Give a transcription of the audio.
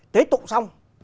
tế tụng xong